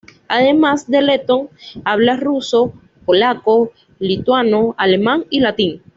Además de letón, habla ruso, polaco, lituano, alemán y latín.